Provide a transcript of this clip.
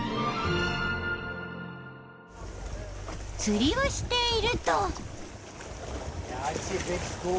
釣りをしていると。